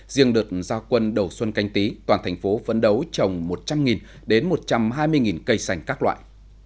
riêng đợt gia quân đầu xuân canh tí toàn thành phố phấn đấu trồng một trăm linh đến một trăm hai mươi cây xanh các loại